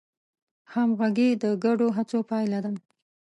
همغږي د ګډو هڅو پایله ده.